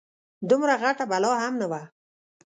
دومره غټه بلا هم نه وه.